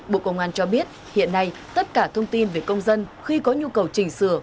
bộ công an cho biết hiện nay tất cả thông tin về công dân khi có nhu cầu chỉnh sửa